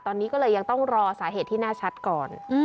ตอนนี้ก็เลยยังต้องรอสาเหตุที่แน่ชัดก่อน